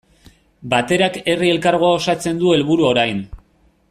Baterak Herri Elkargoa osatzea du helburu orain.